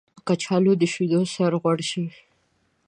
کچالو د شیدو سره غوړ شي